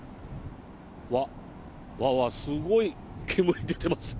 わっ、わっわっ、すごい煙出てます。